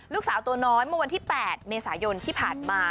ลูกสาวตัวน้อยเมื่อวันที่๘เมษายนที่ผ่านมา